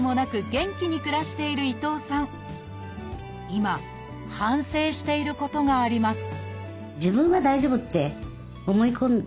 今反省していることがあります